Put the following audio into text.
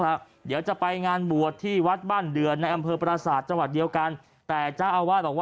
หลักเดี๋ยวจะไปงานบวชที่วัดบั้นเดือนในอำเภอปราสาทจังหวัดเดียวกันแต่จะเอาตอน